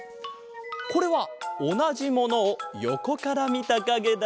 これはおなじものをよこからみたかげだ。